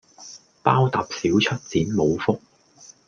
包揼少出剪冇福